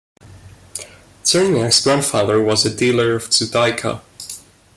Cherniack's grandfather was a dealer of Judaica.